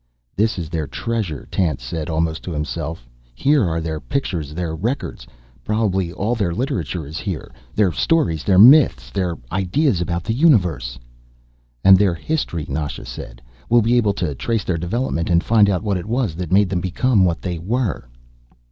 "This is their treasure," Tance said, almost to himself. "Here are their pictures, their records. Probably all their literature is here, their stories, their myths, their ideas about the universe." "And their history," Nasha said. "We'll be able to trace their development and find out what it was that made them become what they were."